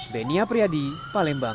benia priadi palembang